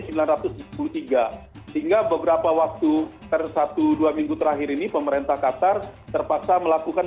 sehingga beberapa waktu satu dua minggu terakhir ini pemerintah qatar terpaksa melakukan